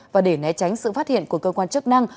và để né tránh sự phát hiện của cơ quan chức năng